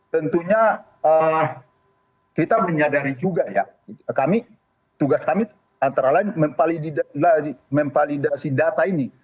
tentunya kita menyadari juga ya kami tugas kami antara lain memvalidasi data ini